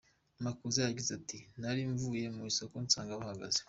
Makuza yagize ati “Nari mvuye mu isoko, nsanga bahagaze.